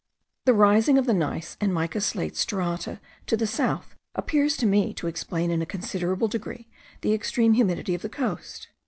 The rising of the gneiss and mica slate strata to the south appears to me to explain in a considerable degree the extreme humidity of the coast.